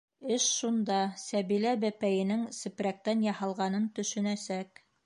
Эш шунда: Сәбилә бәпәйенең... сепрәктән яһалғанын төшөнәсәк.